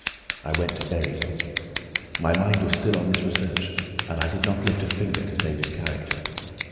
I went to bury him. My mind was still on this research, and I did not lift a finger to save his character.